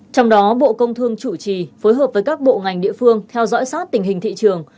trong đó bộ công thương chủ trì phối hợp với các bộ ngành địa phương theo dõi sát tình hình thị trường